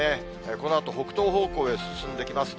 このあと北東方向へ進んできます。